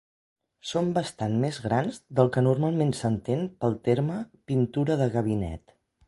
Són bastant més grans del que normalment s'entén pel terme pintura de gabinet.